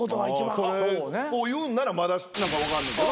それを言うんならまだ分かんねんけど。